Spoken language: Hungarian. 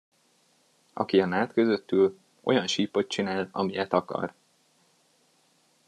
Aki a nád között ül, olyan sípot csinál, amilyet akar.